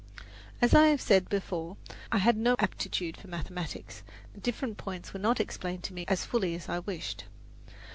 As I have said before, I had no aptitude for mathematics; the different points were not explained to me as fully as I wished.